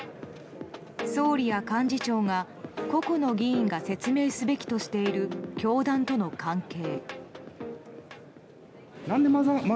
総理や幹事長が個々の議員が説明すべきとしている教団との関係。